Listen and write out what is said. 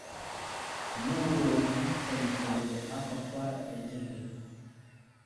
Nə wuro nəfətel zlelo aka akwar azlehe.